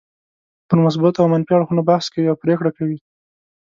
پر مثبتو او منفي اړخونو بحث کوي او پرېکړه کوي.